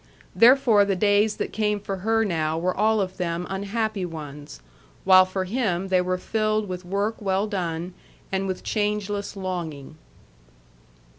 Therefore the days that came for her now were all of them unhappy ones, while for him they were filled with work well done and with changeless longing.